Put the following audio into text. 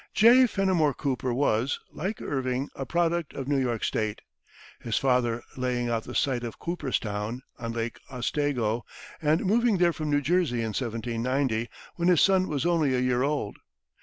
J. Fenimore Cooper was, like Irving, a product of New York state, his father laying out the site of Cooperstown, on Lake Otsego, and moving there from New Jersey in 1790, when his son was only a year old.